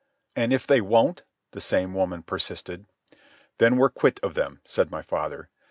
"And if they won't?" the same woman persisted. "Then we're quit of them," said my father.